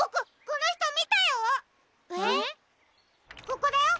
ここだよ！